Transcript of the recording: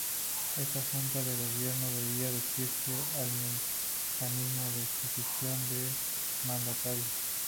Esta junta de gobierno debía decidir el mecanismo de sucesión del mandatario.